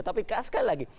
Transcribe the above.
tapi sekali lagi